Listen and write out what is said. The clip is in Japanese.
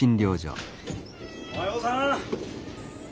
おはようさん。